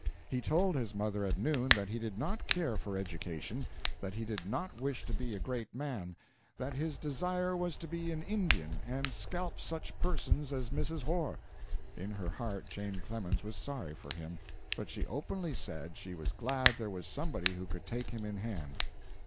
He told his mother at noon that he did not care for education; that he did not wish to be a great man; that his desire was to be an Indian and scalp such persons as Mrs. Horr. In her heart Jane Clemens was sorry for him, but she openly said she was glad there was somebody who could take him in hand.